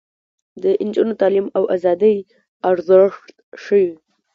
د نجونو تعلیم د ازادۍ ارزښت ښيي.